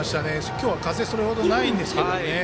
今日は風それほどないんですけどね。